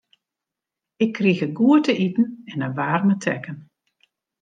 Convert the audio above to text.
Ik krige goed te iten en in waarme tekken.